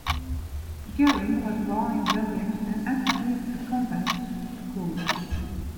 Guerin was born in Dublin and attended a convent school.